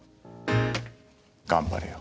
頑張れよ。